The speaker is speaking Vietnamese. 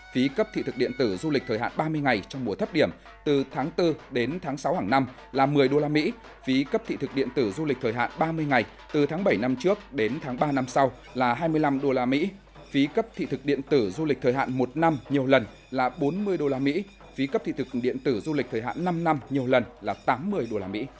phí cấp thị thực điện tử du lịch thời hạn ba mươi ngày trong mùa thấp điểm từ tháng bốn đến tháng sáu hàng năm là một mươi usd phí cấp thị thực điện tử du lịch thời hạn ba mươi ngày từ tháng bảy năm trước đến tháng ba năm sau là hai mươi năm usd phí cấp thị thực điện tử du lịch thời hạn một năm nhiều lần là bốn mươi usd phí cấp thị thực điện tử du lịch thời hạn năm năm nhiều lần là tám mươi usd